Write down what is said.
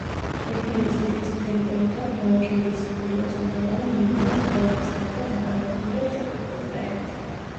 რეგიონის თითქმის მთელი ტერიტორია, ოკეანის სანაპიროზე მდებარე მანგროს ტყეების გარდა, დაკავებულია ტროპიკული ტყეებით.